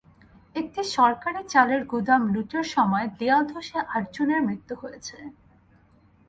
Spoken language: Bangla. একটি সরকারি চালের গুদাম লুটের সময় দেয়াল ধসে আটজনের মৃত্যু হয়েছে।